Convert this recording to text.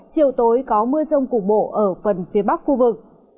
chiều tối có mưa rông cục bộ ở phần phía bắc khu vực